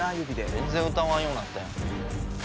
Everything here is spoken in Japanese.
ぜんぜん歌わんようなったやん。